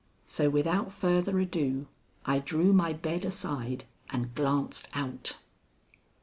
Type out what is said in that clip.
So without further ado, I drew my bed aside and glanced out.